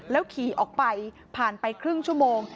ขี่ออกไปผ่านไปครึ่งชั่วโมง